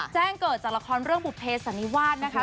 จ้างเกิดจากละครเรื่องปุ๊บเผยศรันวาดนะคะ